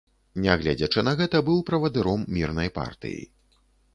Нягледзячы на гэта, быў правадыром мірнай партыі.